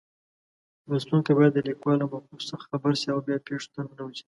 لوستونکی باید د لیکوال له موقف څخه خبر شي او بیا پېښو ته ننوځي.